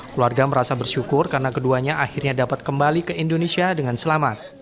keluarga merasa bersyukur karena keduanya akhirnya dapat kembali ke indonesia dengan selamat